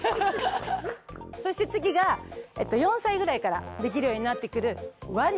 そして次が４歳ぐらいからできるようになってくるワニ。